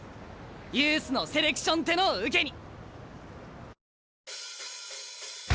ユースのセレクションってのを受けに。